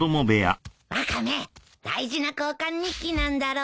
ワカメ大事な交換日記なんだろ？